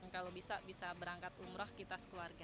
kalau bisa bisa berangkat umroh kita sekeluarga